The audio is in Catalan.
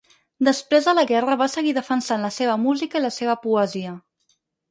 Després de la guerra va seguir defensant la seva música i la seva poesia.